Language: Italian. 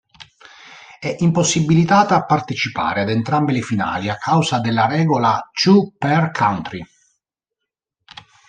È impossibilitata a partecipare ad entrambe le finali a causa della regola "two-per-country".